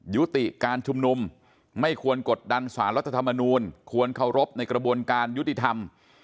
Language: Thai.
ยุติการชุมนุมไม่ควรกดดันสารรัฐธรรมนูลควรเคารพในกระบวนการยุติธรรม